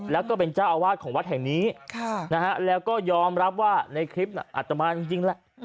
แล้วก็เป็นเจ้าอาวาสของวัดแห่งนี้แล้วก็ยอมรับว่าในคลิปน่ะอัตมาจริงแหละ